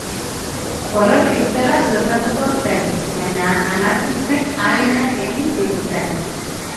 Porrot itzela suertatuko zen, baina anarkistek ahaleginak egin zituzten.